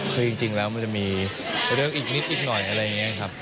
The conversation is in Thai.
คือจริงแล้วมันจะมีเรื่องอีกนิดอีกหน่อยอะไรอย่างนี้ครับ